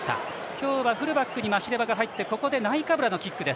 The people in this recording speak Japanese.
今日はフルバックにマシレワが入ってここでナイカブラのキック。